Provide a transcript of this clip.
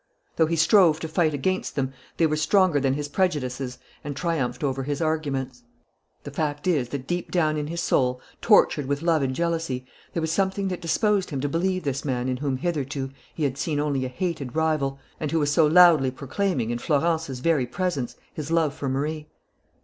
Though he strove to fight against them, they were stronger than his prejudices and triumphed over his arguments. The fact is, that deep down in his soul, tortured with love and jealousy, there was something that disposed him to believe this man in whom hitherto he had seen only a hated rival, and who was so loudly proclaiming, in Florence's very presence, his love for Marie.